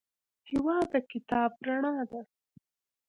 هېواد د کتاب رڼا ده.